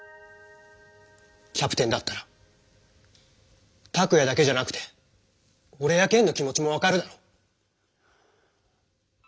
キャプテンだったらタクヤだけじゃなくておれやケンの気持ちもわかるだろ？